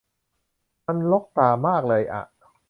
มันรกตามากเลยอ่ะ